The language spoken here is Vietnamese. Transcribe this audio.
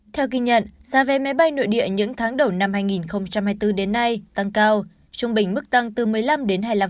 theo ghi nhận giá vé máy bay nội địa những tháng đầu năm hai nghìn hai mươi bốn đến nay tăng cao trung bình mức tăng từ một mươi năm đến hai mươi năm